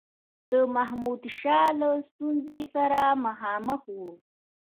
د محمودشاه له ستونزي سره مخامخ وو.